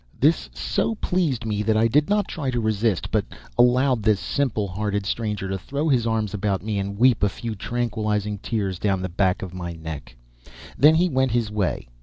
This so pleased me that I did not try to resist, but allowed this simple hearted stranger to throw his arms about me and weep a few tranquilizing tears down the back of my neck. Then he went his way.